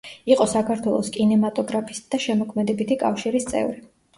იყო საქართველოს კინემატოგრაფისტთა შემოქმედებითი კავშირის წევრი.